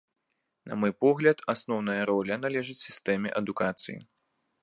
На мой погляд, асноўная роля належыць сістэме адукацыі.